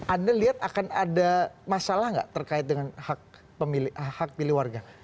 anda lihat akan ada masalah nggak terkait dengan hak pilih warga